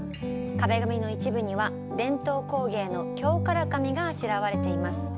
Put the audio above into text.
壁紙の一部には伝統工芸の京唐紙があしらわれています。